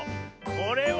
これは。